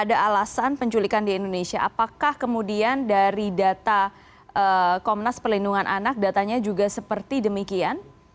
apakah kemudian dari data komnas perlindungan anak datanya juga seperti demikian